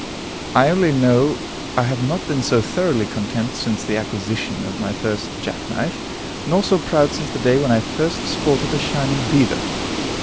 I only know I have not been so thoroughly content since the acquisition of my first jackknife; nor so proud since the day when I first sported a shining beaver.